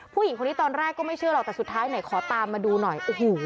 ผู้หญิงคนนี้ตอนแรกก็ไม่เชื่อหรอกแต่สุดท้ายสามมาดูหน่อย